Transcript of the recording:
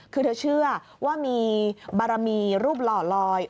คือเธอเชื่อว่ามีบารมีรูปหล่อลอย